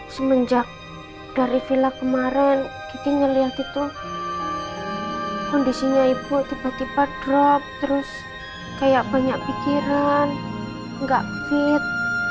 semenjak dari villa kemarin kita ngelihat itu kondisinya ibu tiba tiba drop terus kayak banyak pikiran nggak fit